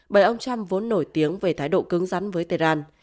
bởi ông trump vốn nổi tiếng về thái độ cứng rắn với tehran